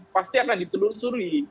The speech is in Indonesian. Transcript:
pasti akan ditelusuri